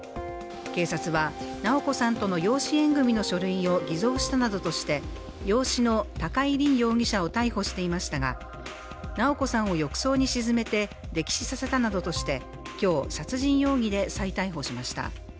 警察は直子さんとの養子縁組の書類を偽造したなどとして養子の高井凜容疑者を逮捕していましたが直子さんを浴槽に沈めて溺死させたなどとして今日、殺人容疑で再逮捕しました。